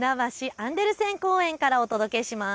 アンデルセン公園からお届けします。